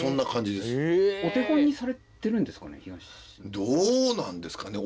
どうなんですかね？